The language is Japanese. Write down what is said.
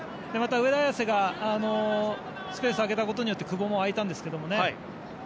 また、上田綺世がスペースを空けたことによって久保も空いたんですけどね。